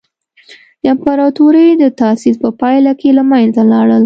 د امپراتورۍ د تاسیس په پایله کې له منځه لاړل.